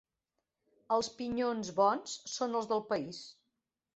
Els pinyons bons són els del país.